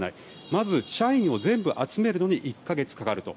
まず社員を全部集めるのに１か月かかると。